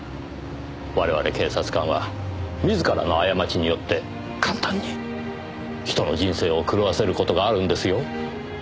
我々警察官は自らの過ちによって簡単に人の人生を狂わせる事があるんですよ。